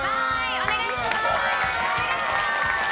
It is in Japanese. お願いします！